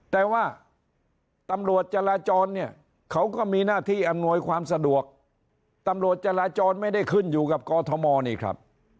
แต่ว่าตำรวจจราจรเนี่ยเขาก็มีหน้าที่อำนวยความสะดวกตำรวจจราจรไม่ได้ขึ้นอยู่กับกอทมนี่ครับ